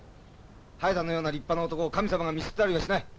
ハヤタのような立派な男を神様が見捨てたりはしない。